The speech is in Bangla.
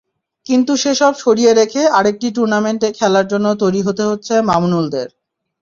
কিন্তু সেসব সরিয়ে রেখে আরেকটি টুর্নামেন্টে খেলার জন্য তৈরি হতে হচ্ছে মামুনুলদের।